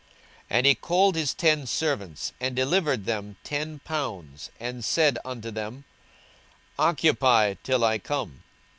42:019:013 And he called his ten servants, and delivered them ten pounds, and said unto them, Occupy till I come.